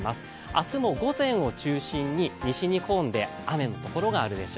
明日も午前を中心に西日本で雨のところがある予想。